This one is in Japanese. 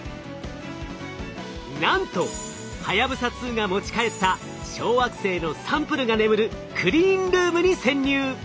なんとはやぶさ２が持ち帰った小惑星のサンプルが眠るクリーンルームに潜入！